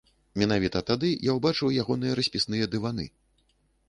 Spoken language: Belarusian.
Менавіта тады я ўбачыў ягоныя распісныя дываны.